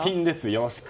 よろしく！